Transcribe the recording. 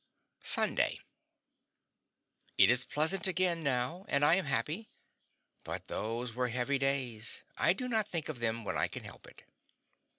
SUNDAY. It is pleasant again, now, and I am happy; but those were heavy days; I do not think of them when I can help it.